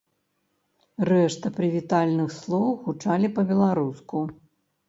Рэшта прывітальных слоў гучалі па-беларуску.